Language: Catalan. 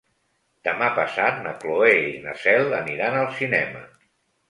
Demà passat na Cloè i na Cel aniran al cinema.